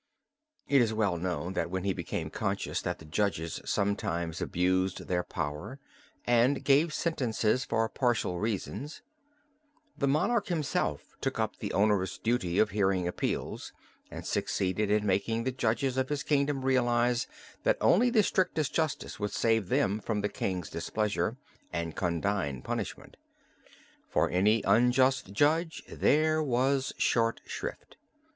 It is well known that when he became conscious that the judges sometimes abused their power and gave sentences for partial reasons, the monarch himself took up the onerous duty of hearing appeals and succeeded in making the judges of his kingdom realize, that only the strictest justice would save them from the king's displeasure, and condign punishment. For an unjust judge there was short shrift.